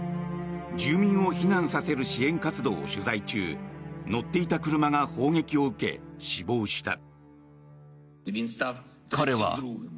住民を避難させる支援活動を取材中乗っていた車が砲撃を受け死亡した。